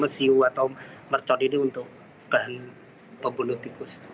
mesiu atau mercon ini untuk bahan pembunuh tikus